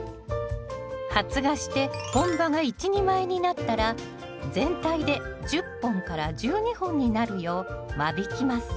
発芽して本葉が１２枚になったら全体で１０本１２本になるよう間引きます